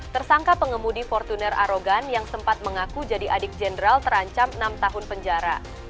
tersangka pengemudi fortuner arogan yang sempat mengaku jadi adik jenderal terancam enam tahun penjara